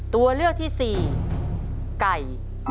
ตัวเลือกที่๔ไก่